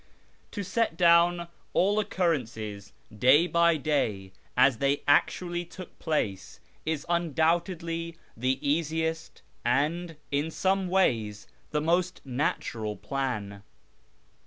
To set down all occurrences day by day, as they actually took place, is undoubtedly the easiest, and, in some ways, the most natural plan.